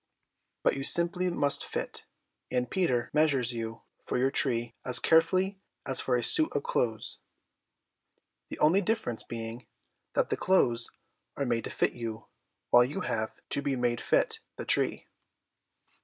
But you simply must fit, and Peter measures you for your tree as carefully as for a suit of clothes: the only difference being that the clothes are made to fit you, while you have to be made to fit the tree.